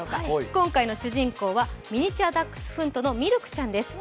今回の主人公はミニチュアダックスフントのミルクちゃんです。